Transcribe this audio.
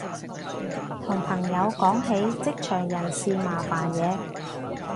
同朋友講起職場人事麻煩嘢